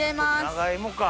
長芋か。